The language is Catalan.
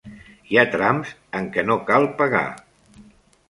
Hi ha trams en què no cal pagar.